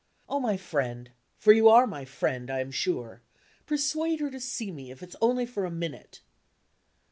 Oh, my friend for you are my friend, I am sure persuade her to see me, if it's only for a minute!"